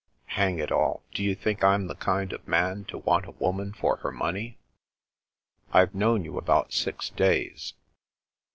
Hang it all, do you think Vm the kind of man to want a woman for her money ?"" I've known you about six days."